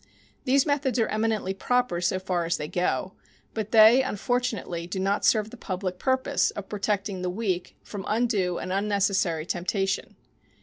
These methods are eminently proper so far as they go, but they, unfortunately, do not serve the public purpose of protecting the weak from undue and unnecessary temptation.